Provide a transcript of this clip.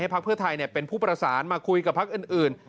พักเพื่อไทยเป็นผู้ประสานมาคุยกับพักอื่น